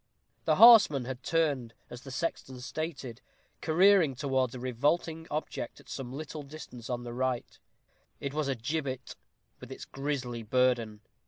The horseman had turned, as the sexton stated, careering towards a revolting object at some little distance on the right hand. It was a gibbet, with its grisly burden.